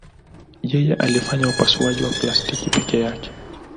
Yeye alifanya upasuaji wa plastiki peke yake.